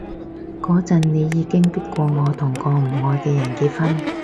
嗰陣你已經迫過我同個唔愛嘅人結婚